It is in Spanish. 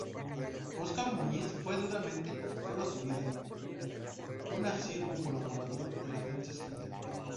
Óscar Muñiz fue durante toda su vida un asiduo colaborador de la prensa escrita.